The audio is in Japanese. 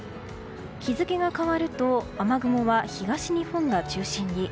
日付が変わると雨雲は東日本が中心に。